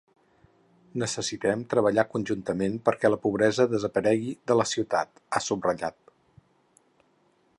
Necessitem treballar conjuntament perquè la pobresa desaparegui de la ciutat, ha subratllat.